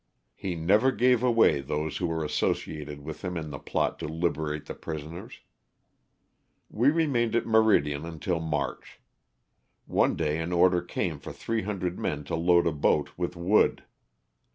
He never gave away those who were associated with him in the plot to liberate the pris oners. We remained at Meridian until March. One day an order came for 300 men to load a boat with wood.